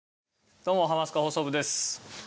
どうも『ハマスカ放送部』です。